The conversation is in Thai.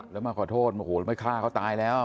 แล้วมาขอโทษโอ้โหแล้วไม่ฆ่าเขาตายแล้ว